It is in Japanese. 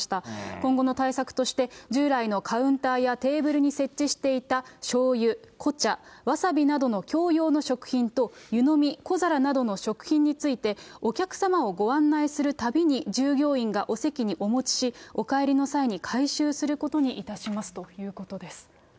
今後の対策として、従来のカウンターやテーブルに設置していたしょうゆ、粉茶、わさびなどの共用の食品と湯飲み、小皿などの食品について、お客様をご案内するたびに従業員がお席にお持ちし、お帰りの際に回収することにいたしますということです。